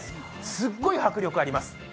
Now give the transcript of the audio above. すっごい迫力があります。